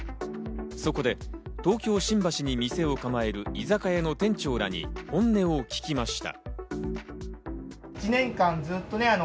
そこで東京・新橋に店を構える居酒屋の店長らに本音を聞きました。